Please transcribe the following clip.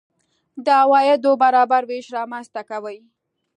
د عوایدو برابر وېش رامنځته کوي.